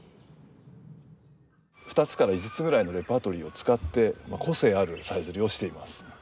２つから５つぐらいのレパートリーを使って個性あるさえずりをしています。